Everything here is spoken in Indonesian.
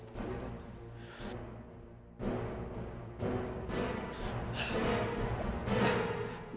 bahkan dia sudah menyerahkan kehormatan kepada arum dalu